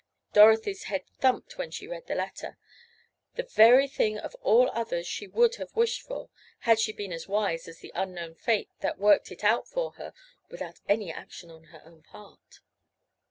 Dorothy's head thumped when she read the letter. The very thing of all others she would have wished for, had she been as wise as the unknown fate that worked it out for her, without any action on her own part!